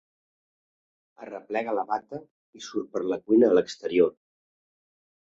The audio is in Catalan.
Arreplega la bata i surt per la cuina a l'exterior.